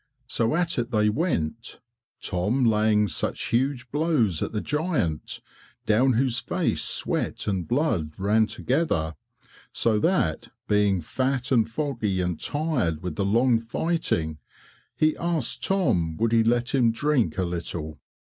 So at it they went, Tom laying such huge blows at the giant, down whose face sweat and blood ran together, so that, being fat and foggy and tired with the long fighting, he asked Tom would he let him drink a little?